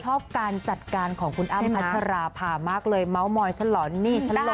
ชอบการจัดการของคุณอับพัฒราผ่ามากเลยม้าวมอยฉันหรอมีฉันลงให้ดู